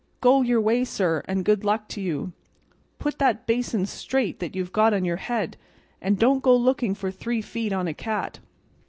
Go your way, sir, and good luck to you; put that basin straight that you've got on your head, and don't go looking for three feet on a cat."